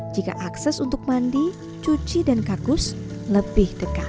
jika akses untuk mandi cuci dan kakus lebih dekat